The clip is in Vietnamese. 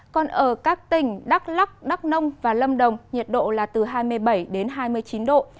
còn ở các tỉnh đắk lắc đắk nông và lâm đồng nhiệt độ là từ hai mươi bảy đến hai mươi chín độ